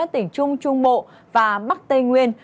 trung trung bộ và bắc tây nguyên